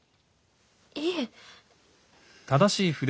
いえ。